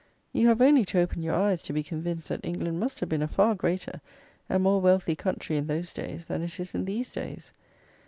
You have only to open your eyes to be convinced that England must have been a far greater and more wealthy country in those days than it is in these days.